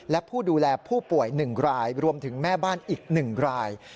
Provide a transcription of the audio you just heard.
และผู้ดูแลผู้ป่วย๑รายรวมถึงแม่บ้านอีก๑ราย